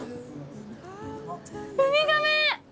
ウミガメ！